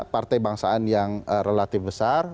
partai bangsaan yang relatif besar